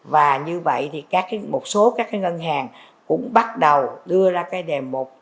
và như vậy một số ngân hàng cũng bắt đầu đưa ra đề mục